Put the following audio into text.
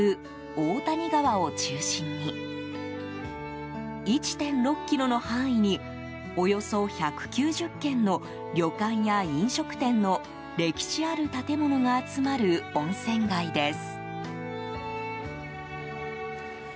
大谷川を中心に１．６ｋｍの範囲におよそ１９０軒の旅館や飲食店の歴史ある建物が集まる温泉街です。